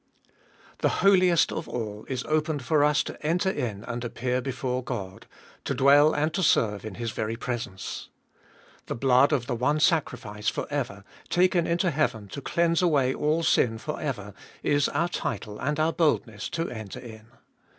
THE Holiest of All is opened for us to enter in and appear before God, to dwell and to serve in His very presence. The blood of the one sacrifice for ever, taken into heaven to cleanse away all sin for ever, is our title and our boldness to enter in.